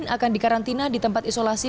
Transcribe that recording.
akan dikarantina di tempat isolasi